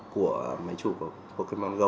của máy chủ của pokemon go